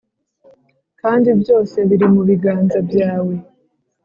kandi byose biri mubiganza byawe."